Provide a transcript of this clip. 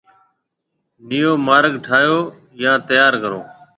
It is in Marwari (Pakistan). نئيون مارگ ٺاهيَو يان تيار ڪرو۔